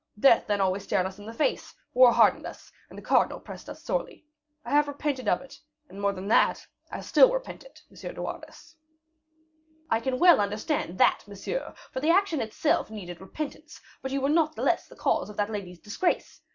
Death then always stared us in the face, war hardened us, and the cardinal pressed us sorely. I have repented of it, and more than that I still repent it, M. de Wardes." "I can well understand that, monsieur, for the action itself needed repentance; but you were not the less the cause of that lady's disgrace.